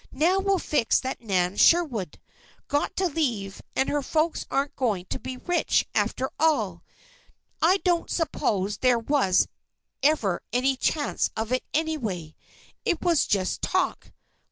"Now we'll fix that Nan Sherwood! Got to leave, and her folks aren't going to be rich, after all! I don't suppose there was ever any chance of it, anyway. It was just talk.